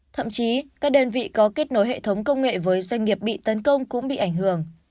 thậm chí các đơn vị có kết nối hệ thống công nghệ với doanh nghiệp bị tấn công cũng bị ảnh hưởng